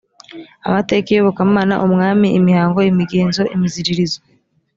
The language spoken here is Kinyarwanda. amateka iyobokamana umwami imihango imigenzo imiziririzo